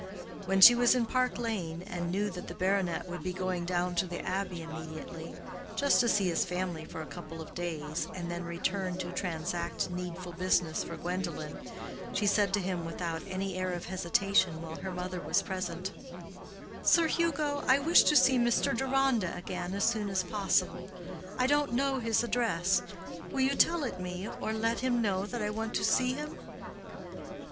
When she was in Park Lane and knew that the baronet would be going down to the Abbey immediately (just to see his family for a couple of days and then return to transact needful business for Gwendolen), she said to him without any air of hesitation, while her mother was present, "Sir Hugo, I wish to see Mr. Deronda again as soon as possible. I don't know his address. Will you tell it me, or let him know that I want to see him?"